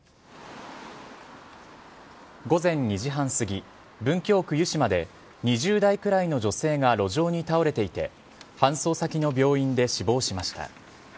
午前２時半過ぎ、文京区湯島で、２０代くらいの女性が路上に倒れていて、搬送先の病院で死亡しました。